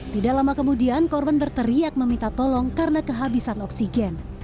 tidak lama kemudian korban berteriak meminta tolong karena kehabisan oksigen